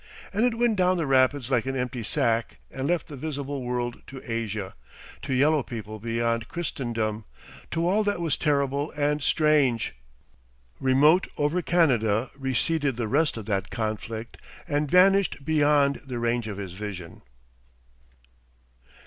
And it went down the rapids like an empty sack and left the visible world to Asia, to yellow people beyond Christendom, to all that was terrible and strange! Remote over Canada receded the rest of that conflict and vanished beyond the range of his vision....